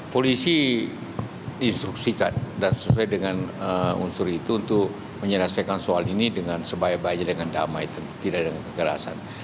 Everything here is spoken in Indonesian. polisi instruksikan dan sesuai dengan unsur itu untuk menyelesaikan soal ini dengan sebaya baya dengan damai tidak dengan kekerasan